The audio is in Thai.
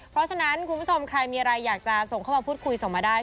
เพราะฉะนั้นคุณผู้ชมใครมีอะไรอยากจะส่งเข้ามาพูดคุยส่งมาได้